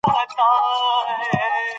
اګره فورت هغه کلا ده چې شاه جهان